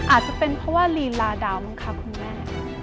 อาจจะเป็นเพราะว่าลีลาดาวมั้งคะคุณแม่